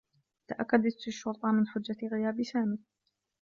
تأكّدت الشّرطة من حجّة غياب سامي.